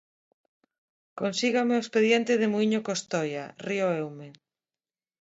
Consígame o expediente de Muíño Costoia, río Eume.